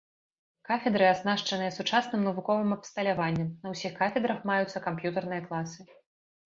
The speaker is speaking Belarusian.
Кафедры аснашчаныя сучасным навуковым абсталяваннем, на ўсіх кафедрах маюцца камп'ютарныя класы.